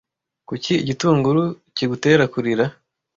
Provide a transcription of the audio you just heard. Kuki igitunguru kigutera kurira?